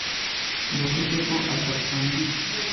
Yavuze ko adakunda ibi